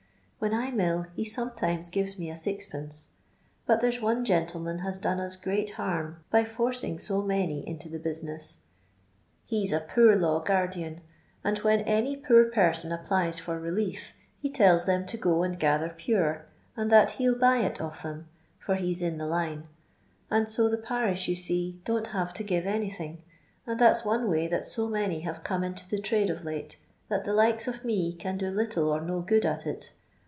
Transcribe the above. When I 'm ill, he sometimes gives me a sixpence ; but there's one gentleman mis done us great harm, by fordng BO many into the business. He 's a poor law guardian, and when any poor person applies for relief, he tells them to go and gather Pure, md that hell buy it of them (fbr he's in the line), and so the parish, you see, don't have to give anything, and that 's one wav that so many nave eome into the trade of late, that the likes of iBe can do little or no good at it.